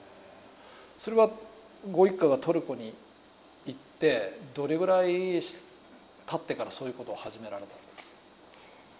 それはご一家がトルコに行ってどれぐらいたってからそういうことを始められたんですか。